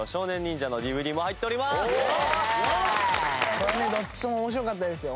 これねどっちも面白かったですよ